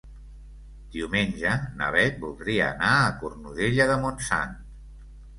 Diumenge na Bet voldria anar a Cornudella de Montsant.